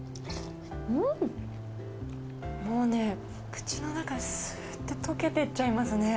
うん、もうね、口の中、すーっと溶けてっちゃいますね。